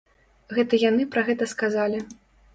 Гэта яны пра гэта сказалі.